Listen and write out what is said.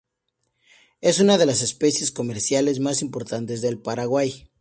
Es una de las especies comerciales más importantes del Paraguay.